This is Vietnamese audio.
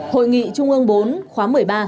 hội nghị trung ương bốn khóa một mươi ba